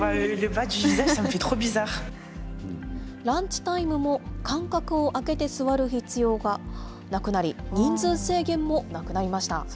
ランチタイムも間隔を空けて座る必要がなくなり、人数制限もなくなりました。